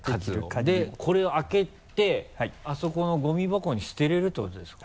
でこれを開けてあそこのゴミ箱に捨てれるってことですか？